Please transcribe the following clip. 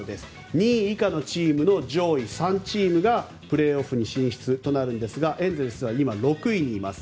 ２位以下のチームの上位３チームがプレーオフに進出となるんですがエンゼルスは今、６位にいます。